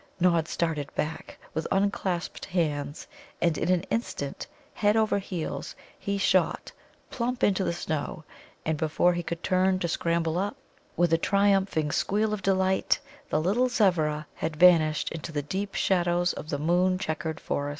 Nod started back, with unclasped hands, and in an instant, head over heels he shot, plump into the snow, and before he could turn to scramble up, with a triumphing squeal of delight, the little Zevvera had vanished into the deep shadows of the moon chequered forest.